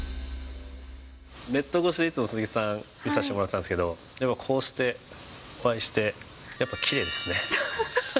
ネット越しにいつも鈴木さん、見させてもらってたんですけど、でもこうして、お会いして、やっぱきれいですね。